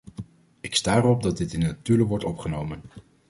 Ik sta erop dat dit in de notulen wordt opgenomen.